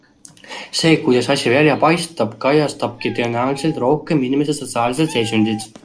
See, kuidas asi välja paistab, kajastabki tõenäoliselt rohkem inimese sotsiaalset seisundit.